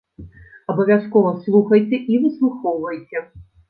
Абавязкова слухайце і выслухоўвайце!